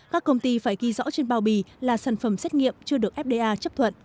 các công ty phải ghi rõ trên bao bì là sản phẩm xét nghiệm chưa được fda chấp thuận